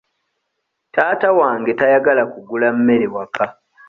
Taata wange tayagala kugula mmere waka.